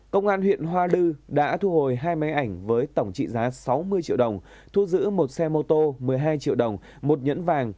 công an huyện hoa lư đã thu hồi hai máy ảnh với tổng trị giá sáu mươi triệu đồng thu giữ một xe mô tô một mươi hai triệu đồng một nhẫn vàng